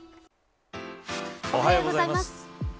おはようございます。